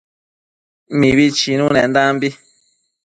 Mibi chinunendambi